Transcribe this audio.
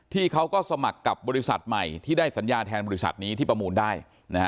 เขาก็สมัครกับบริษัทใหม่ที่ได้สัญญาแทนบริษัทนี้ที่ประมูลได้